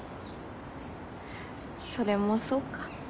それもそうか。